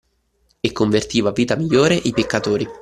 E convertiva a vita migliore i peccatori.